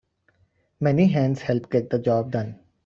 Many hands help get the job done.